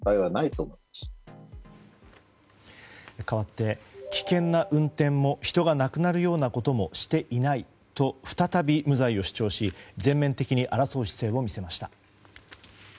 かわって、危険な運転も人が亡くなるようなこともしていないと、再び無罪を主張し全面的に争う姿勢を見せました。